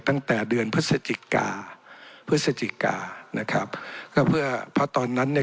ตั้งแต่เดือนพฤศจิกาพฤศจิกานะครับก็เพื่อเพราะตอนนั้นเนี่ย